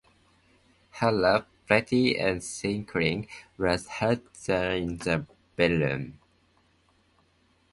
Her laugh, pretty and tinkling, was heard in the bedroom.